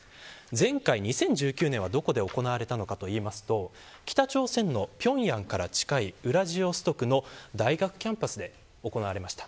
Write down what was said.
前回２０１９年はどこで行われたかというと北朝鮮の平壌から近いウラジオストクの大学キャンパスで行われました。